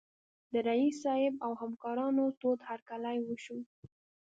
د رییس صیب او همکارانو تود هرکلی وشو.